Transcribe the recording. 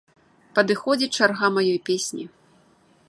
Падыходзіць чарга маёй песні.